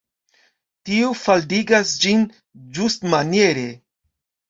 Tio faldigas ĝin ĝustmaniere.